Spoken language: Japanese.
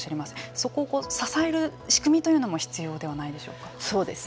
そこを支える仕組みというのも必要ではないでしょうか。